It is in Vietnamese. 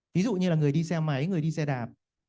ví dụ như là người đi xe máy người đi xe đạp